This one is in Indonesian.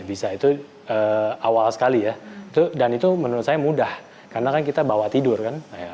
itu awal sekali ya dan itu menurut saya mudah karena kita bawa tidur kan